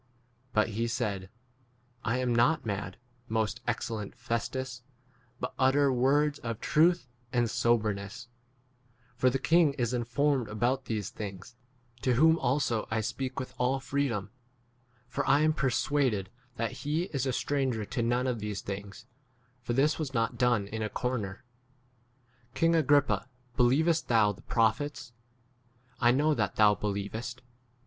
But he said,p I am not mad, most excellent Festus, but utter words of truth 28 and soberness ; for the king is informed about these things, to whom also I speak with all free dom. For I am persuaded that he is a stranger to none of these things ; for this was not done in 2 ? a corner. King Agrippa, believest thou the prophets ? I know that 28 thou believest.